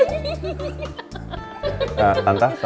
silahkan ada di situ ya